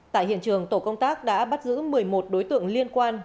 tại hiện trường tổ công tác đã bắt giữ một mươi một đối tượng liên quan